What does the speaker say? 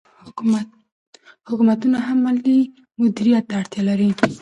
حکومتونه هم مالي مدیریت ته اړتیا لري.